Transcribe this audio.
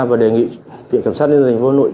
và đề nghị tiệm kiểm soát nhân dân thành phố hà nội